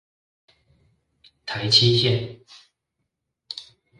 台七線